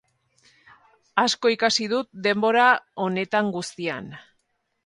Asko ikasi dut denbora honetan guztian.